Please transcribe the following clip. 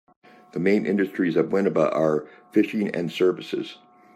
The main industries of Winneba are fishing and services.